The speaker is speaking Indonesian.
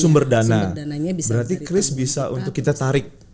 berarti kris bisa untuk kita tarik